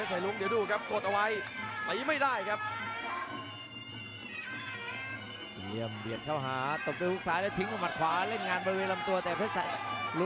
ต้องถอดหัวออกมาเลยครับธนาควิลเลียมวิปเพิล